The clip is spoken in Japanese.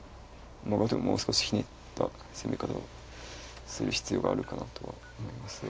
後手ももう少しひねった攻め方をする必要があるかなとは思いますが。